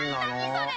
それ！